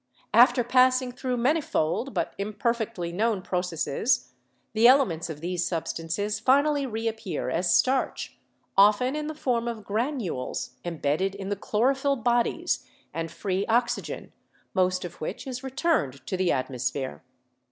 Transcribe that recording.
After passing through manifold but imperfectly known processes, the elements of these substances finally reappear as starch, often in the form of granules embedded in the chlorophyll bodies and free oxygen, most of which is returned to the atmosphere.